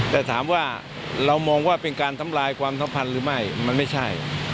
แต่ถามว่าเรามองว่าเป็นการทำลายความสัมพันธ์หรือไม่มันไม่ใช่